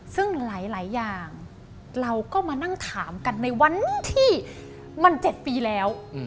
ซึ่งหลายอย่างเราก็มานั่งถามกันในวันที่มัน๗ปีแล้ว